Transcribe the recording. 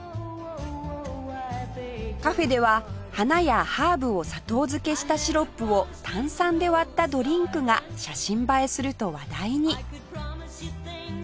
カフェでは花やハーブを砂糖漬けしたシロップを炭酸で割ったドリンクが写真映えすると話題に